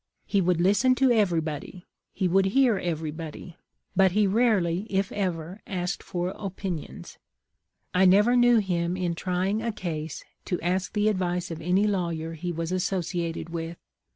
He would listen to everybody ; he would hear everybody ; but he rarely, if ever, asked for opinions. I never knew him in trying a case to ask the advice of any lawyer he was associated with.